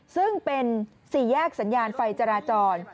ซึ่งเป็นสี่แยกสัญญาณไฟจราจร